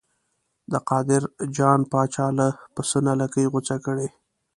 د قادر جان پاچا له پسه نه لکۍ غوڅه کړې.